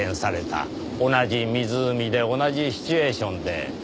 同じ湖で同じシチュエーションで。